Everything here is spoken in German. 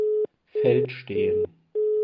Feld stehen.